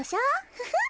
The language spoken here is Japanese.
フフッ。